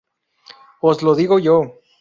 Os lo digo yo.